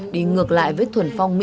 đi ngược lại với thuần phong mỹ